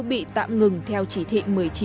bị tạm ngừng theo chỉ thị một mươi chín